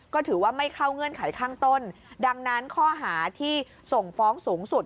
ก็ถือว่าไม่เข้าเงื่อนไขข้างต้นดังนั้นข้อหาที่ส่งฟ้องสูงสุด